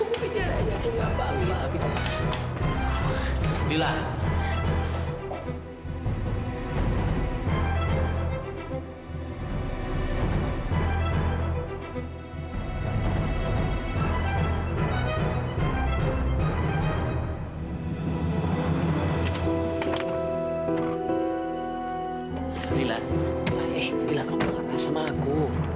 lila eh lila kamu marah sama aku